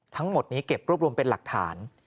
ทั้งหมดนี้เก็บรวบรวมเป็นหลักฐาน